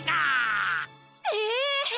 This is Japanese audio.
え！？